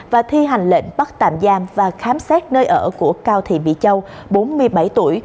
và thi hành lệnh bắt tạm giam và khám xét nơi ở của cao thị mỹ châu bốn mươi bảy tuổi